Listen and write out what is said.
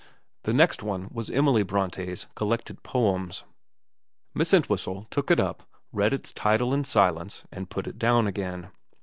The next one was Emily Bronte's collected poems. Miss Entwhistle took it up, read its title in silence, and put it down again.